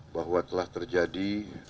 bahwa telah terjadi